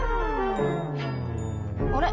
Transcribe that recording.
あれ？